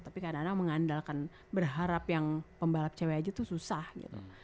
tapi kadang kadang mengandalkan berharap yang pembalap cewek aja tuh susah gitu